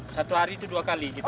satu hari itu dua kali